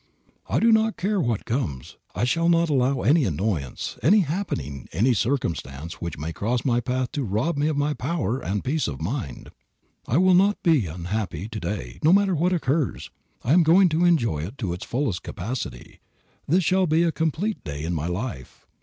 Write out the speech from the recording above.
"I do not care what comes, I shall not allow any annoyance, any happening, any circumstance which may cross my path to rob me of my power and peace of mind. I will not be unhappy to day, no matter what occurs. I am going to enjoy it to its fullest capacity. This shall be a complete day in my life.